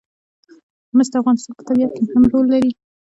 مس د افغانستان په طبیعت کې مهم رول لري.